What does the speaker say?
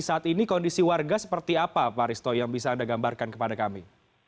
saat ini kondisi warga seperti apa pak risto yang bisa anda gambarkan kepada kami